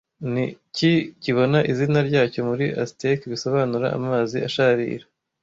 Niki kibona izina ryacyo muri Aztec bisobanura amazi asharira